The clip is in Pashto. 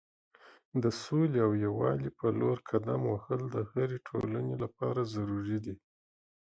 د سولې او یووالي په لور قدم وهل د هرې ټولنې لپاره ضروری دی.